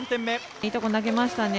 いいとこ投げましたね。